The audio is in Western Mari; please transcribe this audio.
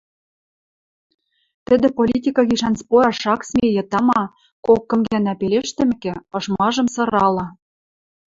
Тӹдӹ политика гишӓн спораш ак смейӹ, тама, кок-кым гӓнӓ пелештӹмӹкӹ, ышмажым сырала.